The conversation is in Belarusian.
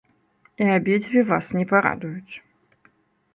І абедзве вас не парадуюць.